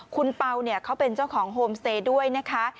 คุณเป่าเนี่ยเขาเป็นเจ้าของโฮมสเตย์ด้วยนะคะ